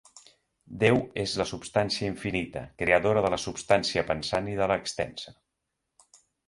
Déu és la substància infinita, creadora de la substància pensant i de l'extensa.